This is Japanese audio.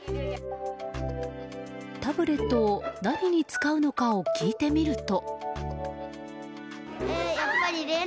タブレットを何に使うのかを聞いてみると。